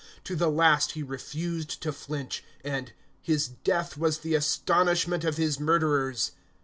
To the last he refused to flinch, and "his death was the astonishment of his murderers."